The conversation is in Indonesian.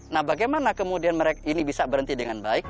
nah bagaimana kemudian ini bisa berhenti dengan baik